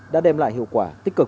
đã đem lại hiệu quả tích cực